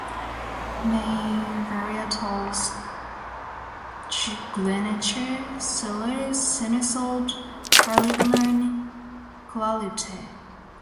Main varietals: Grenache, Syrah, Cinsault, Carignan, Clairette.